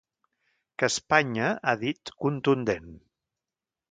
Que Espanya, ha dit, contundent.